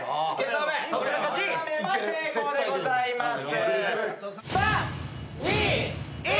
挟めば成功でございます。